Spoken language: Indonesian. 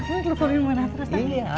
akang teleponin minah terus